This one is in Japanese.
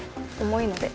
重いので。